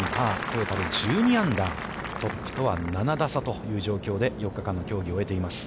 トータル１２アンダー、トップとは７打差という状況で、４日間の競技を終えています。